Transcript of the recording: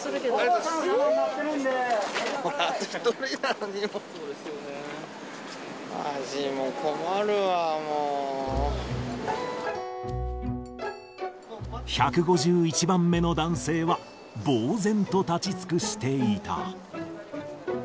まじもう、１５１番目の男性は、ぼう然と立ち尽くしていた。